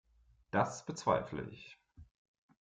Das bezweifle ich.